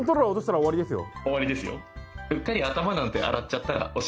終わりですよ。